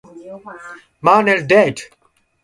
マンネリデート